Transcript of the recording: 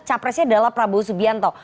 capresnya adalah prabowo subianto